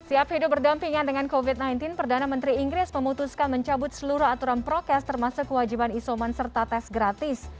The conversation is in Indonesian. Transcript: siap hidup berdampingan dengan covid sembilan belas perdana menteri inggris memutuskan mencabut seluruh aturan prokes termasuk kewajiban isoman serta tes gratis